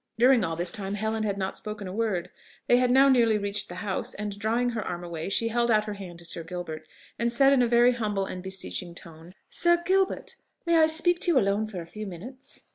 During all this time Helen had not spoken a word. They had now nearly reached the house; and drawing her arm away, she held out her hand to Sir Gilbert, and said in a very humble and beseeching tone, "Sir Gilbert!... may I speak to you alone for a few minutes?"